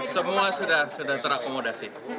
semua sudah terakomodasi